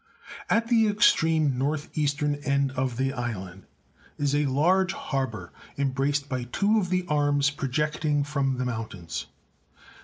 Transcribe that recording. At the extreme north eastern end of the island is a large harbour embraced by two of the arms projecting from the mountains.